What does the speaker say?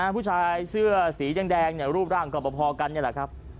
ผู้ชายเสื้อสีแดงรูปร่างก็พอกันนี่แหละครับ